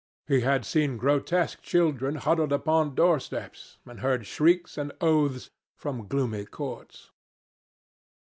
He had seen grotesque children huddled upon door steps, and heard shrieks and oaths from gloomy courts.